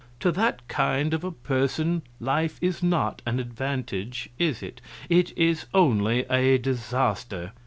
To that kind of a person life is not an advantage, is it? It is only a disaster.